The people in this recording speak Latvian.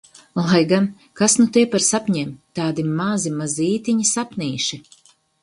Lai gan - kas nu tie par sapņiem. Tādi mazi mazītiņi sapnīši.